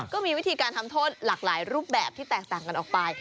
ก็มีวิธีการทำโทษหลากหลายรูปแบบที่แตกต่างกันออกไป